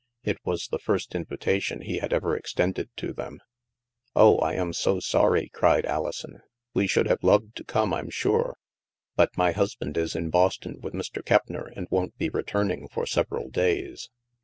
It was the first invitation he had ever extended to them. '* Oh, I am so sorry/' cried Alison, we should have loved to come, I'm sure. But my husband is in Boston with Mr. Keppner, and won't be return ing for several days."